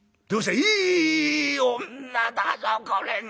「いい女だぞこれが」。